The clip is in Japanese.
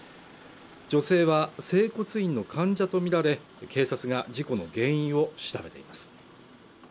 女性は整骨院の患者とみられ警察が事故の原因を調べています